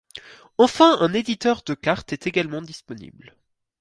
Enfin, un éditeur de cartes est également disponible.